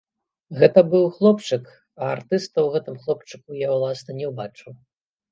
Гэта быў хлопчык, а артыста ў гэтым хлопчыку я, уласна, не ўбачыў.